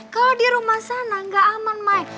kalau di rumah sana gak aman may